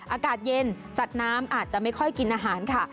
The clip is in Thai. อากาศเย็นสัตว์น้ำอาจจะไม่ค่อยกินอาหารค่ะ